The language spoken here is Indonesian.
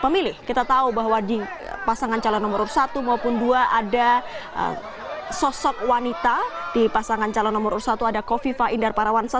pemilih kita tahu bahwa di pasangan calon nomor satu maupun dua ada sosok wanita di pasangan calon nomor u satu ada kofifa indar parawansa